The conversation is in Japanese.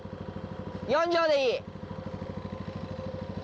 ４条でいい？